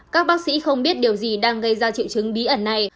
các bác sĩ không biết điều gì đang gây ra triệu chứng bí ẩn này